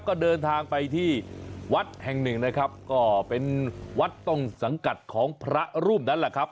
ก็เดินทางไปที่วัดแห่งหนึ่งนะครับก็เป็นวัดต้นสังกัดของพระรูปนั้นแหละครับ